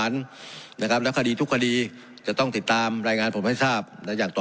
แล้วคดีทุกคดีจะต้องติดตามรายงานผมให้ทราบอย่างต่อ